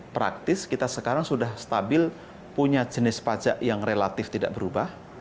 praktis kita sekarang sudah stabil punya jenis pajak yang relatif tidak berubah